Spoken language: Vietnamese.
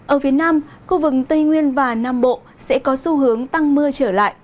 ở phía nam khu vực tây nguyên và nam bộ sẽ có xu hướng tăng mưa trở lại